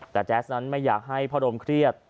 แต่แจ๊สนั้นไม่อยากให้พ่อรมเครียด